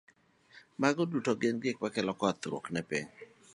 Mago duto gin gik makelo kethruok ne piny.